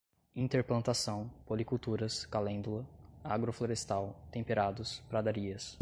interplantação, policulturas, calêndula, agroflorestal, temperados, pradarias